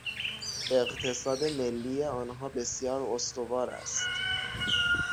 اقتصاد ملی آنها بسیار استوار است.